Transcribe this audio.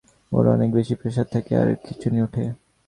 ওর অনেক বেশি প্রেসার থাকে আর খিচুনি উঠে।